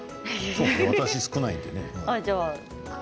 私、少ないのでね。